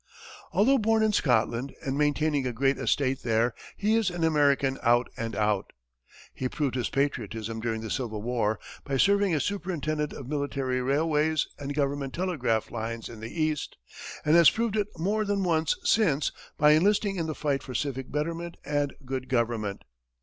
Although born in Scotland and maintaining a great estate there, he is an American out and out. He proved his patriotism during the Civil War by serving as superintendent of military railways and government telegraph lines in the east; and has proved it more than once since by enlisting in the fight for civic betterment and good government.